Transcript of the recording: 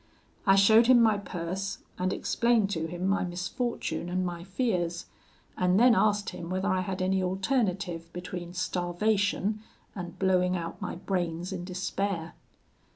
I showed him my purse, and explained to him my misfortune and my fears, and then asked him whether I had any alternative between starvation and blowing out my brains in despair.